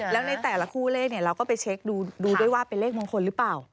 แล้วในแต่ละคู่เลขเราก็ไปเช็คดูด้วยว่าเป็นเลขมงคลหรือเปล่า